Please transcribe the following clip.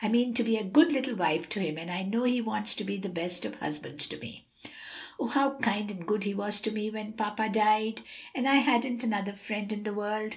I mean to be a good little wife to him, and I know he wants to be the best of husbands to me. "Oh, how kind and good he was to me when papa died, and I hadn't another friend in the world!